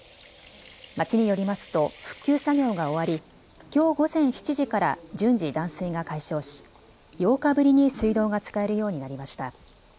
町によりますと復旧作業が終わりきょう午前７時から順次、断水が解消し、８日ぶりに水道が使えるようになりました。